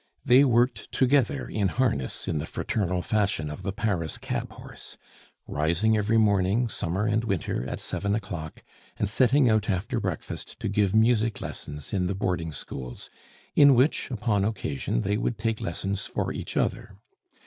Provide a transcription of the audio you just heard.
They worked together in harness in the fraternal fashion of the Paris cab horse; rising every morning, summer and winter, at seven o'clock, and setting out after breakfast to give music lessons in the boarding schools, in which, upon occasion, they would take lessons for each other.